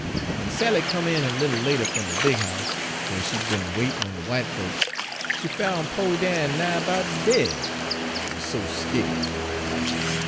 W'en Sally come in a little later fum de big house, whar she'd be'n waitin' on de w'ite folks, she foun' po' Dan nigh 'bout dead, he wuz so skeered.